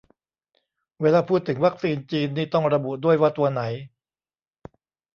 เวลาพูดถึง "วัคซีนจีน" นี่ต้องระบุด้วยว่าตัวไหน